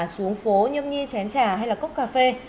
xuống phố như chén trà hay là cốc cà phê